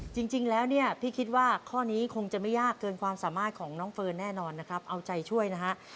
จริงแล้วเนี่ยพี่คิดว่าข้อนี้คงจะไม่ยากเกินความสามารถของน้องเฟิร์นแน่นอนนะครับเอาใจช่วยนะฮะ